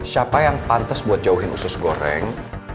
siapa yang pantas buat jauhin usus goreng